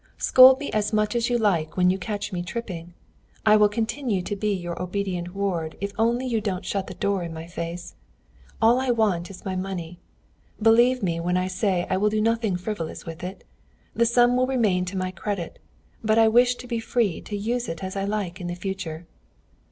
Scold me as much as you like when you catch me tripping. I will continue to be your obedient ward if only you don't shut the door in my face. All I want is my money. Believe me when I say I will do nothing frivolous with it. The sum will remain to my credit, but I wish to be free to use it as I like in the future."